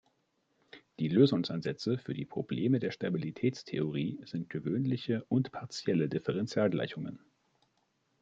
Die Lösungsansätze für die Probleme der Stabilitätstheorie sind gewöhnliche und partielle Differentialgleichungen.